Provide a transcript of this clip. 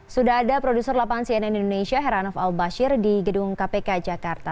sudah ada produser lapangan cnn indonesia heranov al bashir di gedung kpk jakarta